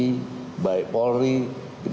dan tentu juga saya beri perhatian kepada bapak presiden